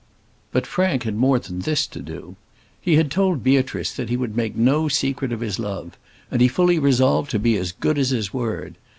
But Frank had more than this to do. He had told Beatrice that he would make no secret of his love, and he fully resolved to be as good as his word.